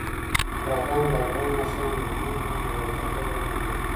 بادام د افغان ماشومانو د لوبو یوه جالبه موضوع ده.